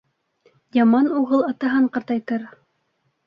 Яман уғыл атаһын ҡартайтыр.